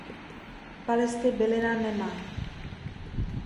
Palisty bylina nemá.